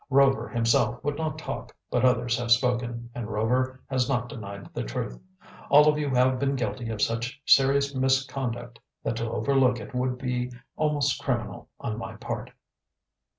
Rover himself would not talk, but others have spoken, and Rover has not denied the truth. All of you have been guilty of such serious misconduct that to overlook it would be almost criminal on my part."